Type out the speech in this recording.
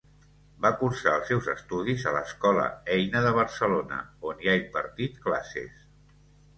Va cursar els seus estudis a l'Escola Eina de Barcelona, on hi ha impartit classes.